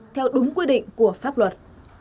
theo đúng quy định của pháp luật